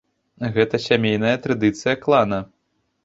Гэта сямейная традыцыя клана.